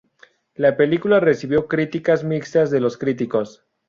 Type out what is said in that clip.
La película recibió críticas mixtas de los críticos.